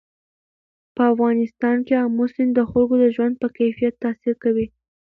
په افغانستان کې آمو سیند د خلکو د ژوند په کیفیت تاثیر کوي.